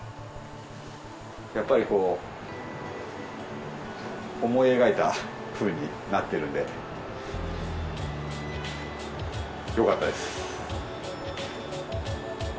やっぱりこう思い描いたふうになってるんでよかったです